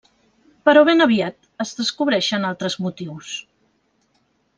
Però ben aviat es descobreixen altres motius.